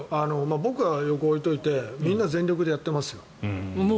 僕は横に置いておいてみんな全力でやっていますよ。